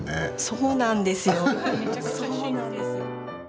そうなんですよ。